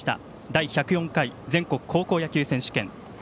第１０４回全国高校野球選手権。